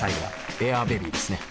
エアベイビーですね。